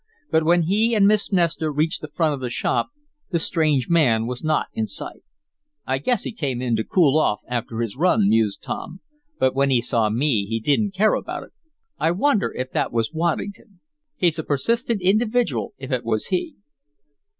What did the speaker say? But when he and Miss Nestor reached the front of the shop the strange man was not in sight. "I guess he came in to cool off after his run," mused Tom, "but when he saw me he didn't care about it. I wonder if that was Waddington? He's a persistent individual if it was he."